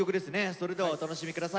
それではお楽しみください。